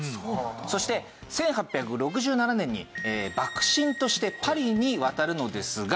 そして１８６７年に幕臣としてパリに渡るのですが。